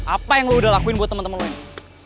apa yang lo udah lakuin buat temen temen lo ini